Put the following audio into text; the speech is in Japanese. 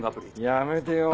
やめてよ